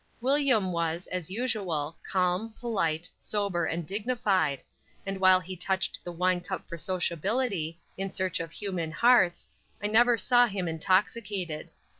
William was, as usual, calm, polite, sober and dignified, and while he touched the wine cup for sociability, in search of human hearts, I never saw him intoxicated.